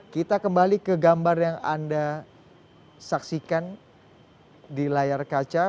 kita kembali ke gambar yang anda saksikan di layar kaca